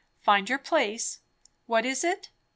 Find your place, what is it?